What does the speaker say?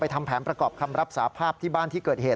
ทำแผนประกอบคำรับสาภาพที่บ้านที่เกิดเหตุ